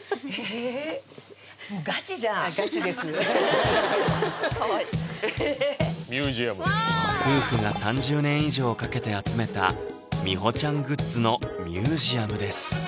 もうミュージアムわ夫婦が３０年以上かけて集めた美穂ちゃんグッズのミュージアムです